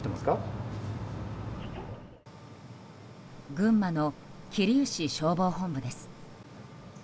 群馬の桐生市消防本部です。